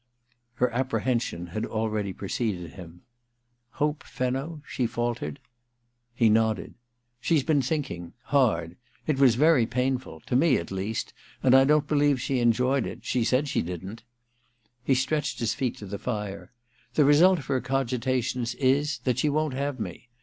Her apprehension had already preceded him. * Hope Fenno— ?' she faltered. He nodded. * She's been thinking — ^hard. It was very panful — to me at least ; and I don't believe she enjoyed it : she said she didn't.' He stretched his feet to the fire. *The result of her cogitations is that she won't have me.